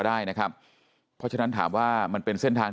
เดี๋ยวให้คุณผู้ชมมาดูบรรยากาศและสถานการณ์ล่าสุดกันหน่อย